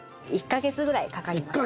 １カ月ぐらいかかりました。